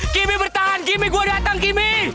kimi bertahan kimi gue datang kimi